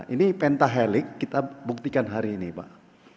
ini pentahelik kita buktikan hari ini pak